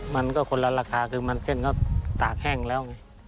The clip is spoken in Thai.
มันก็คนละราคาคือมันเส้นก็ตากแห้งแล้วไง